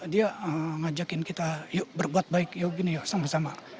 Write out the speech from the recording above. dia ngajakin kita yuk berbuat baik yuk gini yuk sama sama